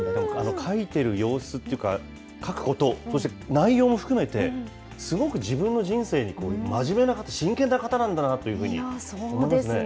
書いてる様子というか、書くこと、そして内容も含めて、すごく自分の人生に真面目な方、真剣な方なんだなというふうに思いまそうですね。